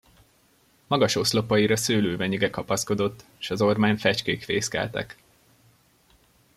Magas oszlopaira szőlővenyige kapaszkodott, s az ormán fecskék fészkeltek.